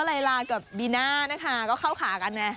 อ๋อไลลากับบีน่านะคะก็เข้าขากันแหละ